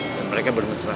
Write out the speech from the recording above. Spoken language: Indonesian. dan mereka bermesra